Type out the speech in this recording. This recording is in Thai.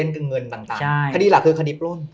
คดีหลักคือคดีปล้น